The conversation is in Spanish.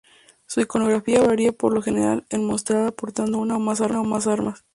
Su iconografía varía, pero por lo general es mostrada portando una o más armas.